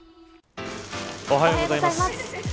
おはようございます。